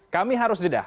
kami harus jeda